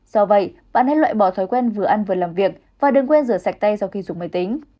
do vậy bạn hãy loại bỏ thói quen vừa ăn vừa làm việc và đừng quên rửa sạch tay sau khi dùng máy tính